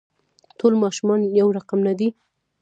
ټول ماشومان يو رقم نه دي.